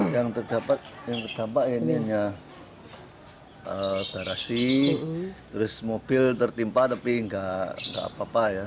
yang terdampak ini hanya garasi terus mobil tertimpa tapi nggak apa apa ya